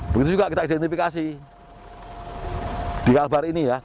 begitu juga kita identifikasi di kalbar ini ya